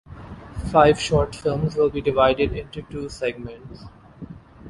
Five short films will be divided into two segments.